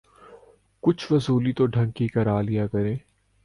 کچھ وصولی تو ڈھنگ کی کرا لیا کریں۔